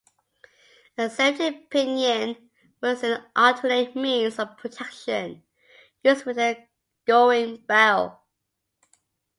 A "safety pinion" was an alternate means of protection, used with the going barrel.